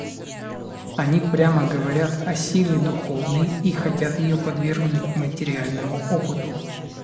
Они прямо говорят о силе духовной и хотят ее подвергнуть материальному опыту.